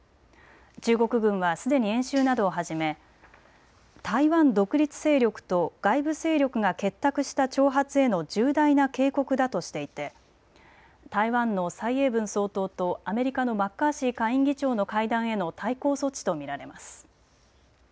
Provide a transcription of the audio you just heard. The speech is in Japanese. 中国軍はすでに演習などを始め台湾独立勢力と外部勢力が結託した挑発への重大な警告だとしていて台湾の蔡英文総統とアメリカのマッカーシー下院議長の会談への対抗措置と見られます。